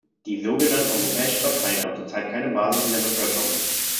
Die sogenannten europäischen Parteien haben zur Zeit keine Basis in der Bevölkerung.